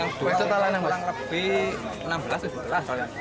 yang dua orang lebih enam belas tujuh belas